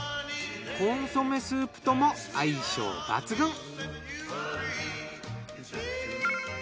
コンソメス−プとも相性抜群。